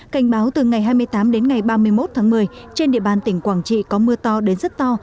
cảnh báo từ ngày hai mươi tám đến ngày ba mươi một tháng một mươi trên địa bàn tỉnh quảng trị có mưa to đến rất to